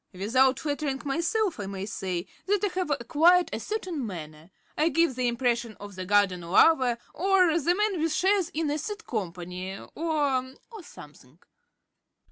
Without flattering myself I may say that I have acquired a certain manner; I give the impression of the garden lover, or the man with shares in a seed company, or or something.